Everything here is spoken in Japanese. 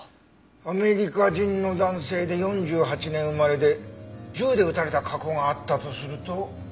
アメリカ人の男性で４８年生まれで銃で撃たれた過去があったとすると。